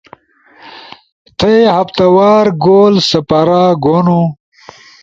تھئی ہفتہ وار گول سپارا گونو